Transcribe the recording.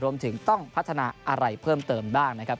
รวมถึงต้องพัฒนาอะไรเพิ่มเติมบ้างนะครับ